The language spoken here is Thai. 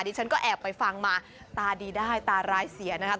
ฉันก็แอบไปฟังมาตาดีได้ตาร้ายเสียนะครับ